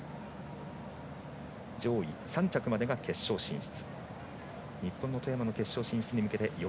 上位３着までが決勝進出。